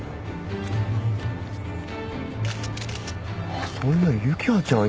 あっそういや幸葉ちゃん家